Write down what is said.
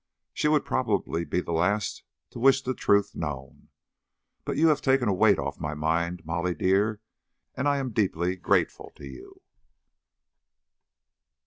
"She would probably be the last to wish the truth known. But you have taken a weight off my mind, Molly dear, and I am deeply grateful to you."